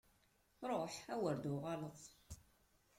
Ruḥ, a wer d-tuɣaleḍ!